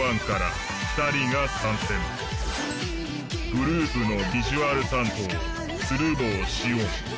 グループのビジュアル担当鶴房汐恩。